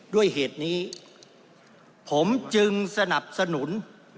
ด้วยเหตุนี้ผมจึงสนับสนุน